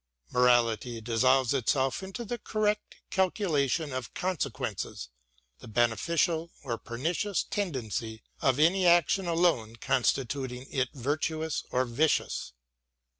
Morality dissolves itself into the correct calculation of consequences, the beneficial or pernicious ten dency of any action alone constituting it virtuous or vicious.